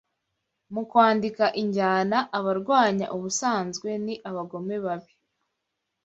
Mu kwandika injyana, abarwanya ubusanzwe ni abagome-babi